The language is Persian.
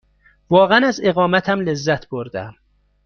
واقعاً از اقامتم لذت بردم.